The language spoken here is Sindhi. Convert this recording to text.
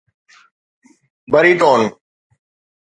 بريٽون